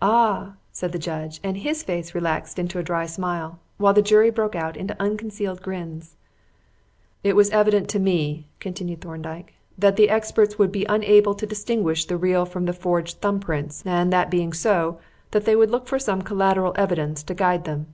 "Ah!" said the judge; and his face relaxed into a dry smile, while the jury broke out into unconcealed grins. "It was evident to me," continued Thorndyke, "that the experts would be unable to distinguish the real from the forged thumb prints, and, that being so, that they would look for some collateral evidence to guide them.